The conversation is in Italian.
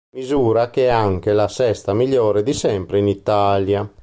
Misura che è anche la sesta migliore di sempre in Italia.